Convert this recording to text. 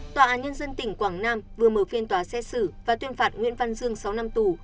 tòa án nhân dân tỉnh quảng nam vừa mở phiên tòa xét xử và tuyên phạt nguyễn văn dương sáu năm tù